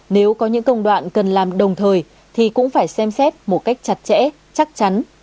nếu có những công đoạn cần làm đồng thời thì cũng phải xem xét một cách chặt chẽ chắc chắn